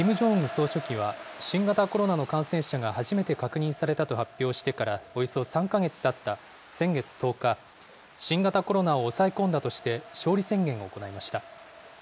総書記は、新型コロナの感染者が初めて確認されたと発表してからおよそ３か月たった先月１０日、新型コロナを抑え込んだとして勝利宣言を行いました。